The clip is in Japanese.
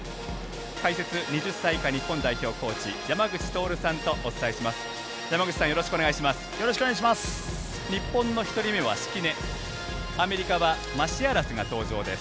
解説、２０歳以下日本代表コーチ、山口徹さんとお伝えします。